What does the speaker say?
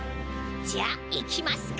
じゃ行きますか！